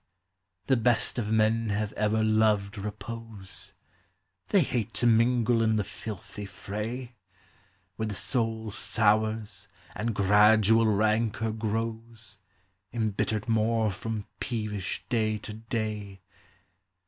" The best of men have ever loved repose : They hate to mingle in the filthy fray ; MYTHICAL: LEGENDARY. 121 Where the soul sours, and gradual rancor grows, Imbittered more from peevish day to day.